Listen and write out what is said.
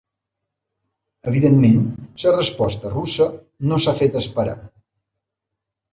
Evidentment, la resposta russa no s’ha fet esperar.